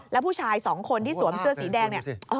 แล้วผู้ชาย๒คนที่สวมเสื้อสีแดง